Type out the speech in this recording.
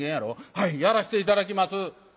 「はいやらして頂きます。